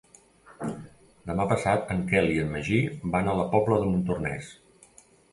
Demà passat en Quel i en Magí van a la Pobla de Montornès.